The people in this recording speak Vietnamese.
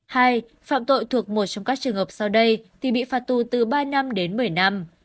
hai phạm tội thuộc một trong các trường hợp sau đây thì bị phạt tù từ ba năm đến một mươi năm